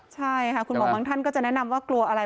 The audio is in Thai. ใช่ค่ะคุณหมอบางท่านก็จะแนะนำว่ากลัวอะไร